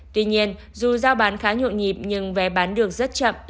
tuy nhiên dù giao bán khá nhộn nhịp nhưng vé bán được rất chậm